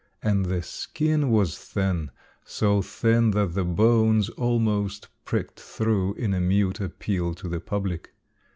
And the skin was thin so thin that the bones almost pricked through in a mute appeal to the public.